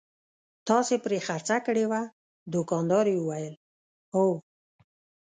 تاسې پرې خرڅه کړې وه؟ دوکاندارې وویل: هو.